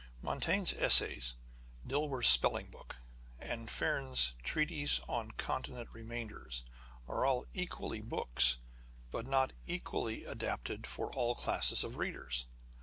Montaigne's Essays, Dilworth's Spelling Book, and Fearn's Treatise on Contingent Re mainders, are all equally books, but not equally adapted for all classes of readers.